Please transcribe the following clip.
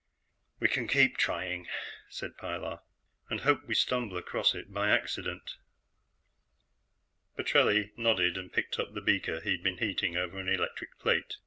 "We can keep trying," said Pilar, "and hope we stumble across it by accident." Petrelli nodded and picked up the beaker he'd been heating over an electric plate.